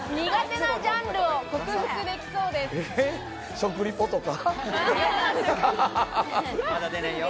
食リポとか？